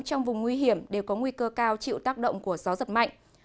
trong vùng nguy hiểm đều có nguy cơ cao chịu tác động của gió giật mạnh